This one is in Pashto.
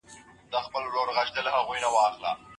د افغانستان تاریخ ډېر پېچلی دی.